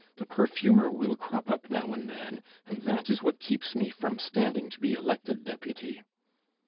The perfumer will crop up now and then, and that is what keeps me from standing to be elected deputy.